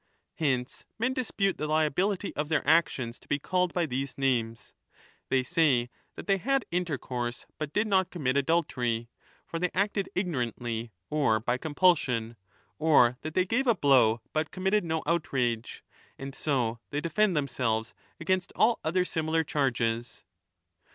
Hence men dispute the liability of their actions to be called by these names ; they say that they had intercourse but did not commit 25 adultery (for they acted ignorantly or by compulsion), or that they gave a blow but committed no outrage ; and so they defend themselves against all other similar charges.